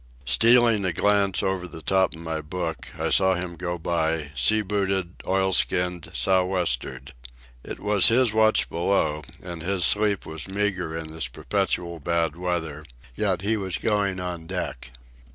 Stealing a glance over the top of my book, I saw him go by, sea booted, oilskinned, sou'westered. It was his watch below, and his sleep was meagre in this perpetual bad weather, yet he was going on deck.